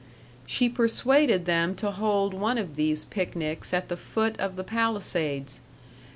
She persuaded them to hold one of these picnics at the foot of the Palisades.